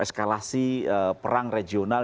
eskalasi perang regional